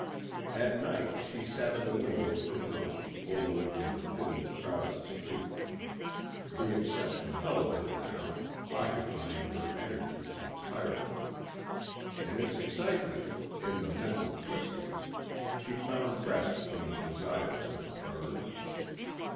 At night she sat in the window of her room overlooking the thinly crowded street. The obsession held her now, occupying her energies entirely. In its excitement, in the mental twistings, she found rest from the desires that burned.